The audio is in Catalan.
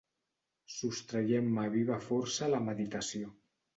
Sostraient-me a viva força a la meditació